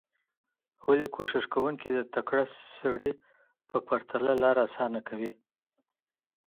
ولي کوښښ کوونکی د تکړه سړي په پرتله لاره اسانه کوي؟